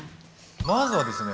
まずはですね